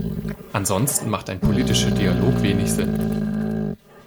Ansonsten macht ein politischer Dialog wenig Sinn.